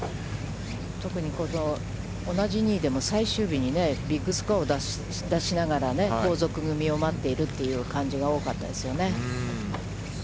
特に同じ２位でも、最終日にビッグスコアを出しながらね、後続組を待っているという感じが多かったですよね。